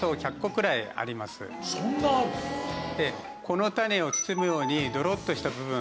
この種を包むようにドロッとした部分。